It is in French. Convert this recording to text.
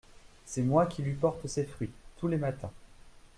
C'est moi qui lui porte ses fruits, tous les matins.